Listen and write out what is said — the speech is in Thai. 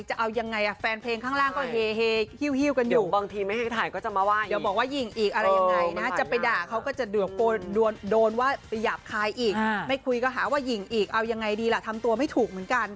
จะเอายังไงอะแฟนเพลงข้างล่าง